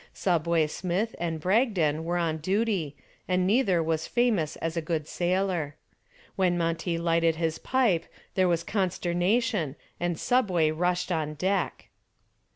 "Subway" Smith and Bragdon were on duty and neither was famous as a good sailor. When Monty lighted his pipe there was consternation and "Subway" rushed on deck.